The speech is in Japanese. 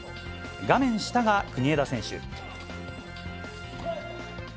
画面下が国枝選手。